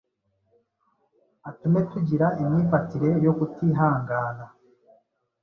atume tugira imyifatire yo kutihangana